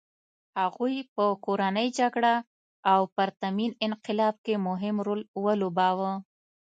هغوی په کورنۍ جګړه او پرتمین انقلاب کې مهم رول ولوباوه.